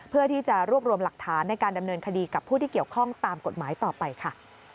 เพื่อที่จะรวบรวมหลักฐานในการดำเนินคดีกับผู้ที่เกี่ยวข้องตามกฎหมายต่อไปค่ะ